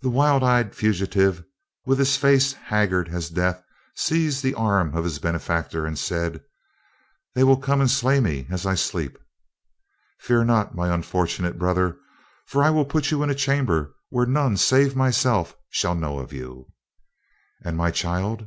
The wild eyed fugitive, with his face haggard as death, seized the arm of his benefactor and said: "They will come and slay me as I sleep." "Fear not, my unfortunate brother, for I will put you in a chamber where none save myself shall know of you." "And my child?"